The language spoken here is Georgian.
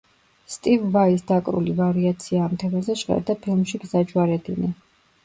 სტივ ვაის დაკრული ვარიაცია ამ თემაზე ჟღერდა ფილმში „გზაჯვარედინი“.